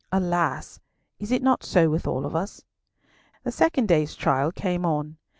Alas! is it not so with all of us? The second day's trial came on.